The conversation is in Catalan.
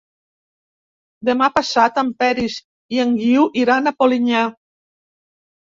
Demà passat en Peris i en Guiu iran a Polinyà.